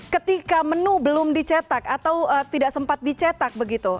ketika menu belum dicetak atau tidak sempat dicetak begitu